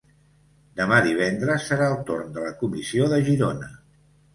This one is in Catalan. Demà divendres serà el torn de la comissió de Girona.